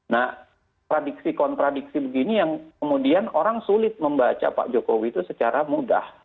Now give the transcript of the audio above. nah prediksi kontradiksi begini yang kemudian orang sulit membaca pak jokowi itu secara mudah